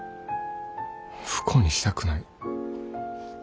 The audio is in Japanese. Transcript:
不幸にしたくない。